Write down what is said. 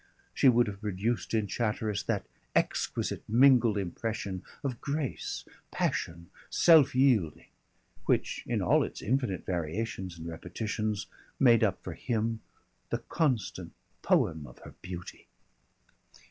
She would have produced in Chatteris that exquisite mingled impression of grace, passion, self yielding, which in all its infinite variations and repetitions made up for him the constant poem of her beauty.